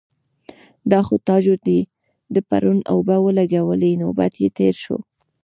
_دا خو تاجو دی، ده پرون اوبه ولګولې. نوبت يې تېر شو.